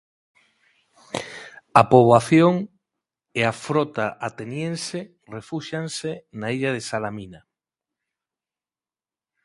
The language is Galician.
A poboación e a frota ateniense refúxianse na illa de Salamina.